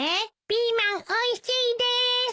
ピーマンおいしいです。